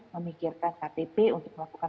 memikirkan ktp untuk melakukan